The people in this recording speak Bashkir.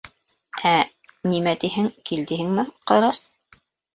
— Ә, нимә тиһең, кил тиһеңме, Ҡыҙырас?